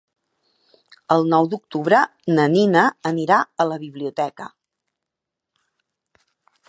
El nou d'octubre na Nina anirà a la biblioteca.